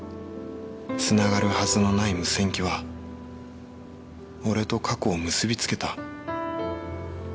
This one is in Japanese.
つながるはずのない無線機は俺と過去を結び付けた。